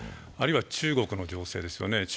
あるいは中国の情勢ですね。